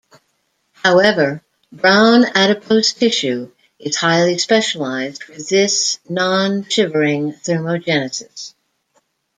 However, brown adipose tissue is highly specialized for this non-shivering thermogenesis.